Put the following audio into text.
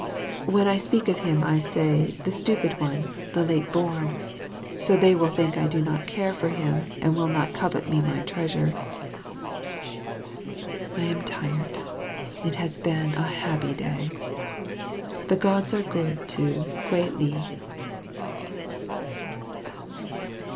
"Then I speak of him, I say "The Stupid One," "The Late Born," so they will think I do not care for him and will not covet me my treasure. I am tired; it has been a happy day. The Gods are good to, Kwei li.